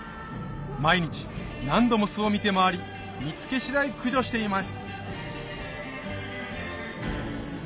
毎日何度も巣を見て回り見つけ次第駆除しています